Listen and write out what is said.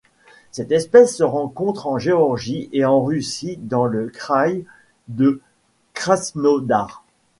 Cette espèce se rencontre en Géorgie et en Russie dans le kraï de Krasnodar.